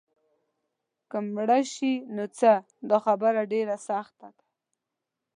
که مړه شي نو څه؟ دا خبره ډېره سخته ده.